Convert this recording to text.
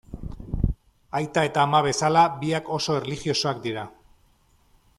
Aita eta ama bezala, biak oso erlijiosoak dira.